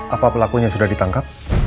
apa pelakunya sudah ditangkap